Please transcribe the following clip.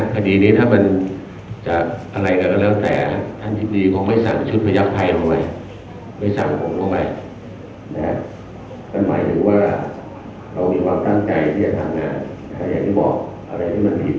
ขอบคุณสื่อจริงนะครับขอบคุณมากทุกคนที่ได้ทำงานร่วมกันนะครับ